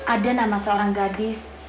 ada nama seorang gadis